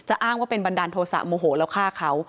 อ้างว่าเป็นบันดาลโทษะโมโหแล้วฆ่าเขา